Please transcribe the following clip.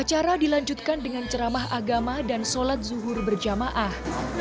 acara dilanjutkan dengan ceramah agama dan sholat zuhur berjamaah